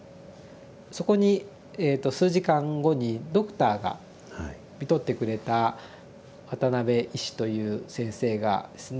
そこにえと数時間後にドクターがみとってくれたワタナベ医師という先生がですね